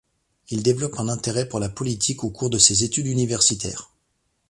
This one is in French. Il développe un intérêt pour la politique au cours de ses études universitaires.